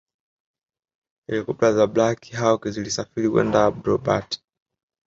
helikopta za Black Hawk zilisafiri kwenda Abbottabad